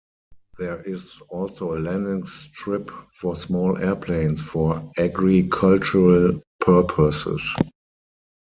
There is also a landing strip for small airplanes for agricultural purposes.